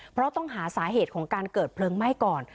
เพราะต้องหาสาเหตุของการเกิดเพลิงไหม้ก่อน